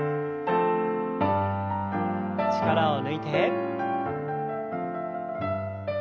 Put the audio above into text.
力を抜いて。